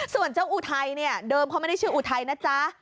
ส่วนเจ้าอุทัยเนี่ยเดิมเขาไม่ได้ชื่ออุทัยนะจ๊ะ